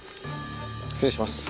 失礼します。